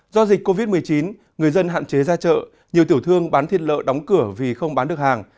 do dịch covid một mươi chín người dân hạn chế ra chợ nhiều tiểu thương bán thịt lợn đóng cửa vì không bán được hàng